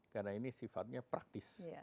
karena ini sifatnya praktis